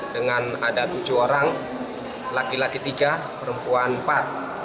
dengan ada tujuh orang laki laki tiga perempuan empat